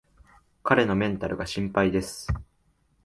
彼のメンタルが心配です